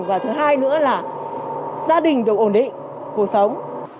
và thứ hai nữa là gia đình được ổn định cuộc sống